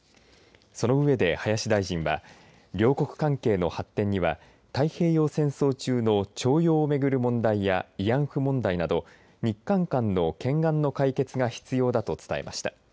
その上で林大臣は両国関係の発展には太平戦争中の徴用をめぐる問題や慰安婦問題など日韓間の懸案の解決が必要だと伝えました。